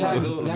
ya cukup lah itu